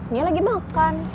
dia lagi makan